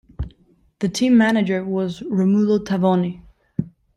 The team manager was Romulo Tavoni.